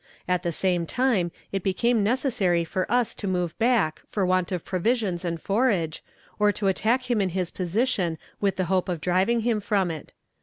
At the same time it became necessary for us to move back for want of provisions and forage, or to attack him in his position with the hope of driving him from it.